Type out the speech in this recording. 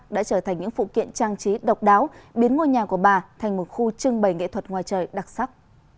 đã trở thành những phụ kiện trang trí độc đáo biến ngôi nhà của bà thành một khu trưng bày nghệ thuật ngoài trời đặc sắc